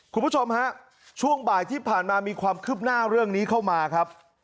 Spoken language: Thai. คุณผู้ชมฮะช่วงบ่ายที่ผ่านมามีความคืบหน้าเรื่องนี้เข้ามาครับ